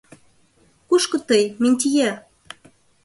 — Кушко тый, Минтье?